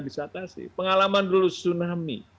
bisa atasi pengalaman dulu tsunami